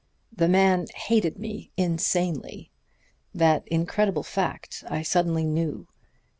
The man hated me insanely. That incredible fact I suddenly knew.